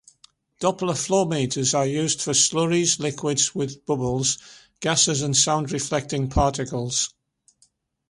Doppler flowmeters are used for slurries, liquids with bubbles, gases with sound-reflecting particles.